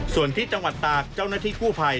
ส่วนที่จังหวัดตากเจ้าหน้าที่กู้ภัย